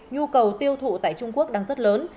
nhu cầu tiêu thụ tại trung quốc đang rất lớn